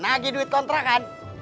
nagih duit kontra kan